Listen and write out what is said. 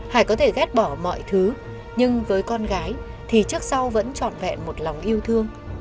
hải có thể ghét bỏ mọi thứ nhưng với con gái thì trước sau vẫn trọn vẹn một lòng yêu thương